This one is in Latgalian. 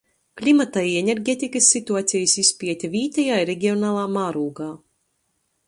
Klimata i energetikys situacejis izpiete vītejā i regionalā mārūgā.